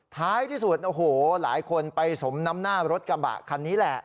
ท้ายที่สุดโอ้โหหลายคนไปสมน้ำหน้ารถกระบะคันนี้แหละ